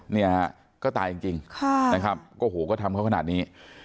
เนี้ยก็ตายจริงนะครับก็ทำเขาก็นาดนี้